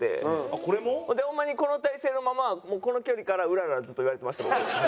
これも？でホンマにこの体勢のままもうこの距離から「ウララ」ずっと言われてました僕。